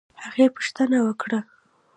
هغې پوښتنه وکړه